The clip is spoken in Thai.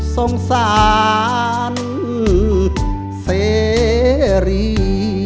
สงสารเสรี